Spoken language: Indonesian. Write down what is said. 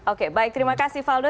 oke baik terima kasih faldo